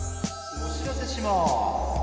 おしらせします。